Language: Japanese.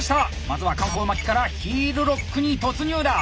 まずは環行巻きからヒールロックに突入だ！